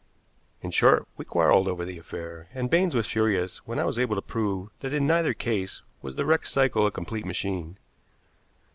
In short, we quarreled over the affair, and Baines was furious when I was able to prove that in neither case was the wrecked cycle a complete machine.